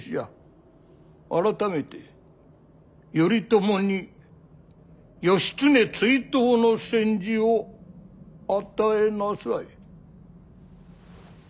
改めて頼朝に義経追討の宣旨を与えなさい。